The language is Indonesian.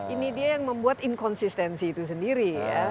ini dia yang membuat inkonsistensi itu sendiri ya